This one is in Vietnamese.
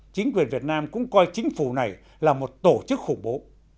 chính quyền việt nam cũng coi chính phủ này là một tổ chức khủng bố